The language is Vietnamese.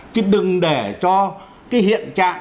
chứ đừng để cho cái hiện trạng